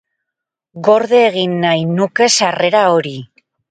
Gorde egin nahi nuke sarrera hori.